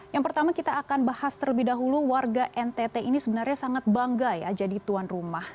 yang pertama kita akan bahas terlebih dahulu warga ntt ini sebenarnya sangat bangga ya jadi tuan rumah